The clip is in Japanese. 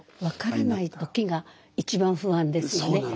分からない時が一番不安ですよね。